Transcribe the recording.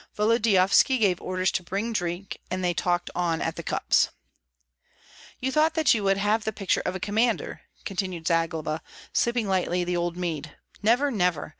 Volodyovski gave orders to bring drink, and they talked on at the cups. "You thought that you would have the picture of a commander," continued Zagloba, sipping lightly the old mead. "Never, never!